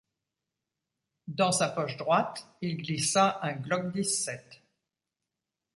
Dans sa poche droite, il glissa un Glock dix-sept.